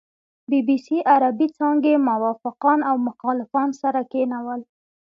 بي بي سي عربې څانګې موافقان او مخالفان سره کېنول.